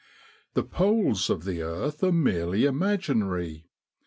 The poles of the earth are merely imaginary.